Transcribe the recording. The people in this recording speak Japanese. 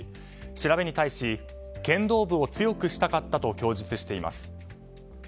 調べに対し、剣道部を強くしたかったと供述しています。